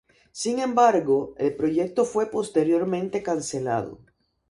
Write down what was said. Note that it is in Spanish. Sin embargo, el proyecto fue posteriormente cancelado.